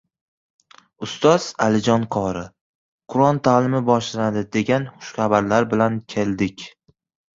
Ustoz Alijon qori: "Qur’on ta’limi boshlanadi degan xushxabarlar bilan keldik"